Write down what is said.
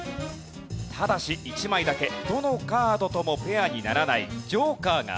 ただし１枚だけどのカードともペアにならないジョーカーがあります。